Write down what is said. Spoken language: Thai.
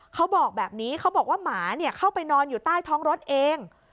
เขาบอกแบบนี้เขาบอกว่าหมาเข้าไปนอนอยู่ใต้ท้องรถเอง